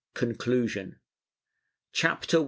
CONCLUSION. CHAPTER I.